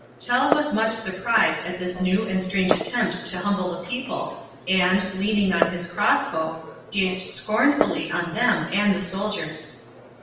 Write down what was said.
Tell was much surprised at this new and strange attempt to humble the people, and, leaning on his cross bow, gazed scornfully on them and the soldiers.